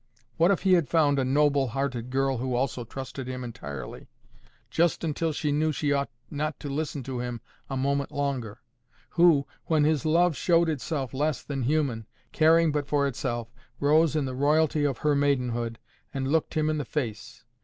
What if he had found a noble hearted girl who also trusted him entirely—just until she knew she ought not to listen to him a moment longer? who, when his love showed itself less than human, caring but for itself, rose in the royalty of her maidenhood, and looked him in the face?